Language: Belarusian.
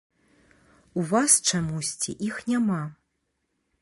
У вас чамусьці іх няма.